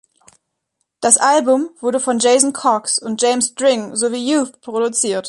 Das Album wurde von Jason Cox und James Dring sowie Youth produziert.